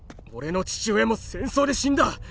俺の父親も戦争で死んだ。